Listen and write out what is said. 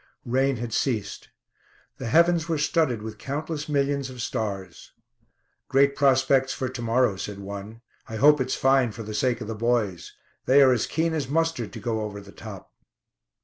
Rain had ceased. The heavens were studded with countless millions of stars. "Great prospects for to morrow," said one. "I hope it's fine, for the sake of the boys. They are as keen as mustard to go over the top."